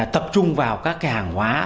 tập trung vào các hàng hóa